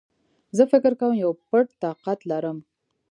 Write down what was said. زه فکر کوم يو پټ طاقت لرم